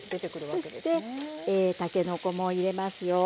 そしてたけのこも入れますよ。